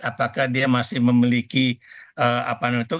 apakah dia masih memiliki apa namanya itu